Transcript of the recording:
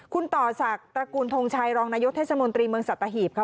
คุณต่อศักดิ์ตระกูลทงชัยรองนายกเทศมนตรีเมืองสัตหีบค่ะ